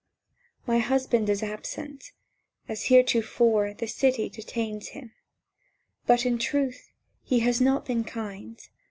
"My husband is absent. As heretofore The City detains him. But, in truth, He has not been kind